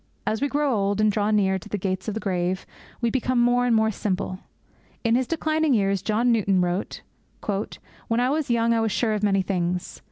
As we grow old, and draw near to the gates of the grave, we become more and more simple. In his declining years, John Newton wrote, 'When I was young I was sure of many things.